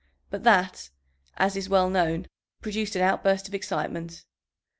But that, as is well known, produced an outburst of excitement.